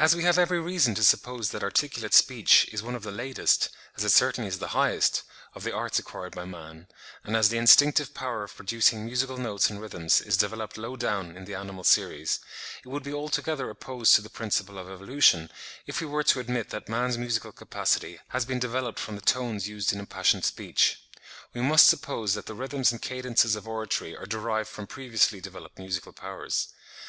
As we have every reason to suppose that articulate speech is one of the latest, as it certainly is the highest, of the arts acquired by man, and as the instinctive power of producing musical notes and rhythms is developed low down in the animal series, it would be altogether opposed to the principle of evolution, if we were to admit that man's musical capacity has been developed from the tones used in impassioned speech. We must suppose that the rhythms and cadences of oratory are derived from previously developed musical powers.